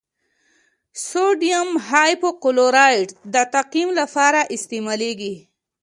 سوډیم هایپوکلورایټ د تعقیم لپاره استعمالیږي.